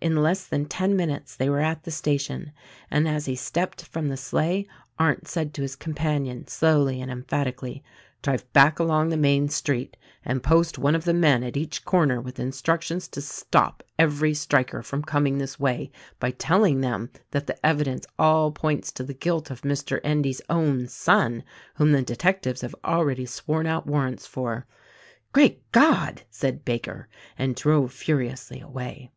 In less than ten minutes they were at the station, and as he stepped from the sleigh Arndt said to his companion — slowly and emphatically — "Drive back along the main street and post one of the men at each corner with instruc tions to stop every striker from coming thi,s way, by telling them that the evidence all points to the guilt of Mr. Endy's own son — whom the detectives have already sworn out warrants for." "Great God!" said Baker and drove furiously away.